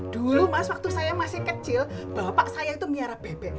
dulu mas waktu saya masih kecil bapak saya itu miara bebek